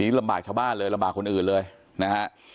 ลำบากชาวบ้านเลยลำบากคนอื่นเลยนะฮะ